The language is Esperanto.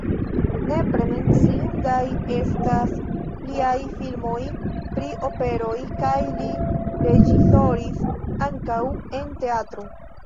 Nepre menciindaj estas liaj filmoj pri operoj kaj li reĝisoris ankaŭ en teatro.